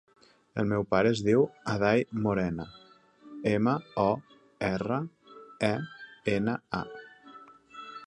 El meu pare es diu Aday Morena: ema, o, erra, e, ena, a.